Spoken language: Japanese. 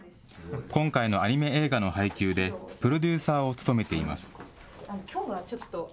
今回のアニメ映画の配給で、プロデューサーを務めています。